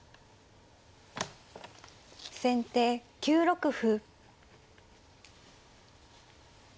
先手９六歩。